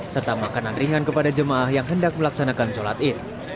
serta makanan ringan kepada jemaah yang hendak melaksanakan sholat is